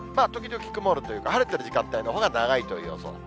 時々曇るというか、晴れてる時間帯のほうが長いという予想。